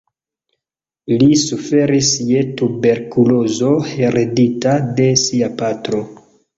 Li suferis je tuberkulozo heredita de sia patro.